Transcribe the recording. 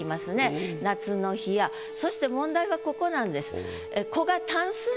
そして問題はここなんです。